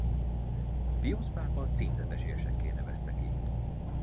Piusz pápa címzetes érsekké nevezte ki.